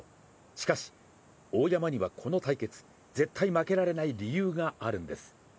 しかし、大山にはこの対決絶対負けられない理由があるんです。